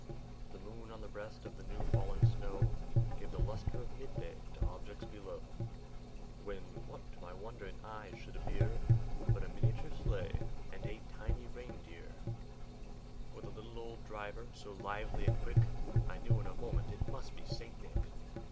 The moon on the breast of the new fallen snow Gave the lustre of mid day to objects below, When, what to my wondering eyes should appear, But a miniature sleigh, and eight tiny reindeer, With a little old driver, so lively and quick, I knew in a moment it must be St. Nick.